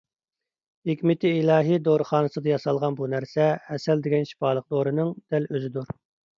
ھېكمىتى ئىلاھىي دورىخانىسىدا ياسالغان بۇ نەرسە ھەسەل دېگەن شىپالىق دورىنىڭ دەل ئۆزىدۇر.